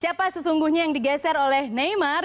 siapa sesungguhnya yang digeser oleh neymar